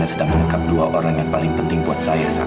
dan sedang menangkap dua orang yang paling penting buat saya saat ini